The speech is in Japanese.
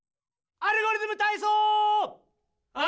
「アルゴリズムたいそう」！